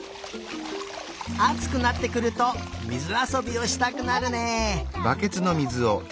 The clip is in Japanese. あつくなってくるとみずあそびをしたくなるね。